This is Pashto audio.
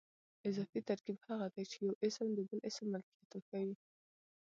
اضافي ترکیب هغه دئ، چي یو اسم د بل اسم ملکیت وښیي.